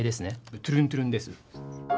トゥルントゥルンです。